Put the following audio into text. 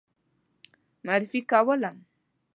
معرفي کولم.